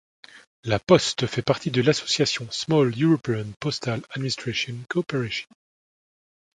La poste fait partie de l'association Small European Postal Administration Cooperation.